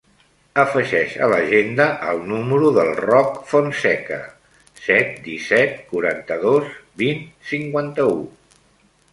Afegeix a l'agenda el número del Roc Fonseca: set, disset, quaranta-dos, vint, cinquanta-u.